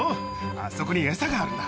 あそこにエサがあるんだ